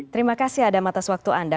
terima kasih adam atas waktu anda